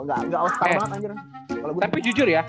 eh tapi jujur ya